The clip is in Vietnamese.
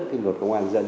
cái luật công an dân